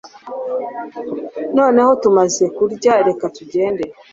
Noneho tumaze kurya reka tugende